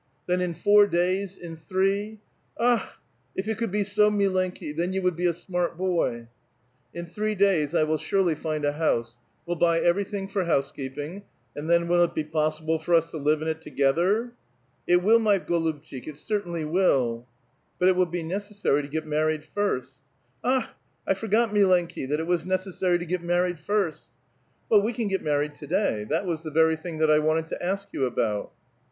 " Then in four days, in three —" ^'Akh! if it could be so, milciiki; then you would be a smart boy I '*" In three days I will surely find a house ; will buy every thing for housekeeping, and then will it be possible for us to live in it together ?"" It will, my goluhtchik^ it certainly will !"" But it will be necessary to get married first." ^^Akh! I forgot, milenki^ that it was necessar}' to get mar ried first !"" Well, we can get married to day ; that was the very thing that I wanted to ask you about."